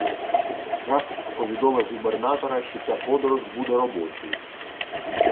Крапф повідомив губернатора, що ця подорож буде робочою.